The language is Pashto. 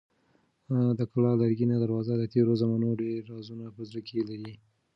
د کلا لرګینه دروازه د تېرو زمانو ډېر رازونه په زړه کې لري.